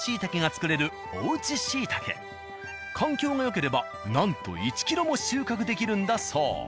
環境がよければなんと１キロも収穫できるんだそう。